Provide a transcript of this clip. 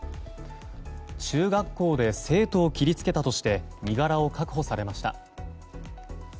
中学校で生徒を切りつけたとして身柄を確保されました。